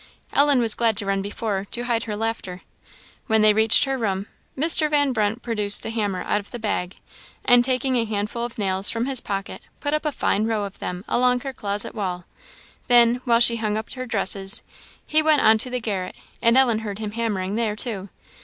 Ellen was glad to run before, to hide her laughter. When they reached her room, Mr. Van Brunt produced a hammer out of the bag, and taking a handful of nails from his pocket, put up a fine row of them along her closet wall, then, while she hung up her dresses, he went on to the garret, and Ellen heard him hammering there, too.